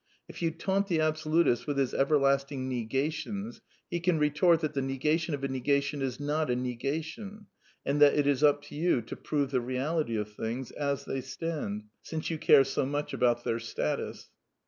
If you taunt the absolutist with his everlasting negations, he can retort that the negation of a negation is not a negation, and that it is up to you to prove the reality of things, " as they stand," since you care so much about their status.